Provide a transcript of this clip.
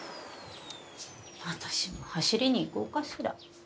私も走りに行こうかしら。